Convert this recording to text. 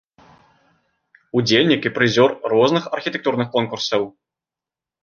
Удзельнік і прызёр розных архітэктурных конкурсаў.